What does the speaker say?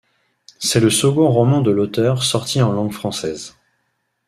C'est le second roman de l'auteur sorti en langue française.